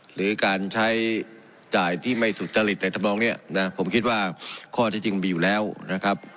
หรือการใช้จ่ายที่ไม่สุจริตในธรรมนองเนี่ยนะผมคิดว่าข้อที่จริงมีอยู่แล้วนะครับ